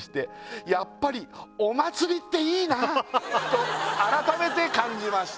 「やっぱりお祭りっていいな！と改めて感じました」